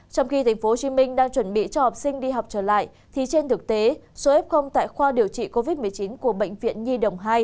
trong khi tp hcm đang chuẩn bị cho học sinh đi học trở lại thì trên thực tế số f tại khoa điều trị covid một mươi chín của bệnh viện nhi đồng hai